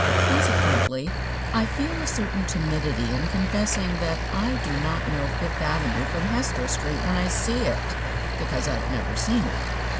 Consequently I feel a certain timidity in confessing that I do not know Fifth Avenue from Hester Street when I see it, because I've never seen it.